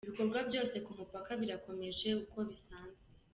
Ibikorwa byose ku mupaka birakomeje uko bisanzwe.